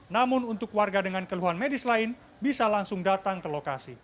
namun untuk warga dengan keluhan medis lain bisa langsung datang ke lokasi